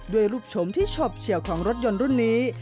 รูปชมที่ชอบเฉียวของรถยนต์รุ่นนี้